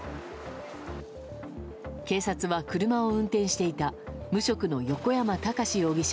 警察は車を運転していた無職の横山孝容疑者